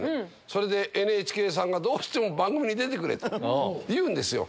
それでＮＨＫさんが「どうしても番組に出てくれ」と言うんですよ。